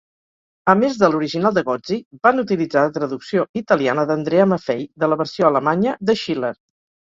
A més de l'original de Gozzi, van utilitzar la traducció italiana d'Andrea Maffei de la versió alemanya de Schiller.